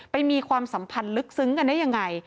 มีความสัมพันธ์ลึกซึ้งกันได้ยังไง